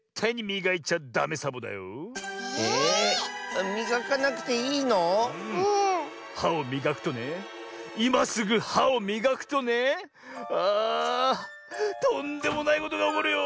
みがかなくていいの？はをみがくとねいますぐはをみがくとねあとんでもないことがおこるよ。